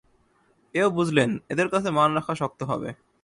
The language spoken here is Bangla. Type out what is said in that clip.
এও বুঝলেন, এদের কাছে মান রাখা শক্ত হবে।